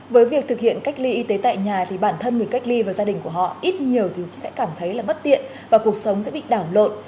với việc thực hiện cách ly y tế tại nhà thì bản thân người cách ly và gia đình của họ ít nhiều thì sẽ cảm thấy là bất tiện và cuộc sống sẽ bị đảo lộn